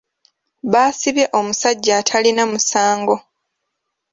Baasibye omusajja atalina musango.